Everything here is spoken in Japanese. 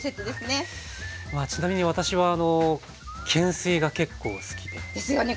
まあちなみに私は懸垂が結構好きで。ですよね。